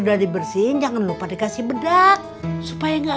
dari bersihin jangan lupa dikasih bedak supaya enggak